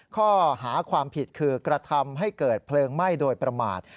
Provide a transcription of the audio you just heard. ข้อหาความผิดคือกระทำให้เกิดเพลิงไหม้โดยประมาท